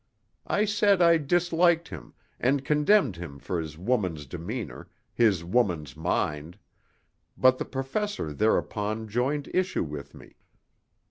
I said I disliked him, and condemned him for his woman's demeanour, his woman's mind; but the Professor thereupon joined issue with me.